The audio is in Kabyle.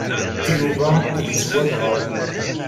Yuba yettwanɣa.